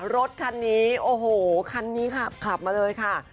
รถคันนี้โอ้โหคันนี้ค่ะขับมาเลยค่ะ